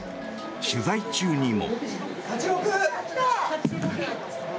取材中にも。